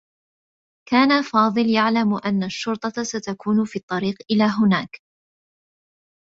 كان فاضل يعلم أنّ الشّرطة ستكون في الطّريق إلى هناك.